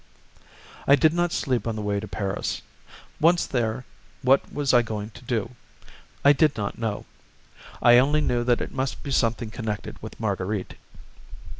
I did not sleep on the way to Paris. Once there, what was I going to do? I did not know; I only knew that it must be something connected with Marguerite.